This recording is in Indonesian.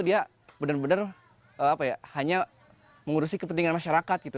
dia benar benar hanya mengurusi kepentingan masyarakat gitu